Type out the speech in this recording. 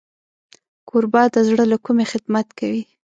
کوربه د زړه له کومي خدمت کوي.